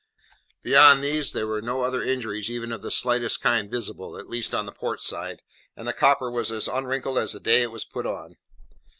Beyond these there were no other injuries even of the slightest kind visible, at least on the port side, and the copper was as unwrinkled as the day it was put on.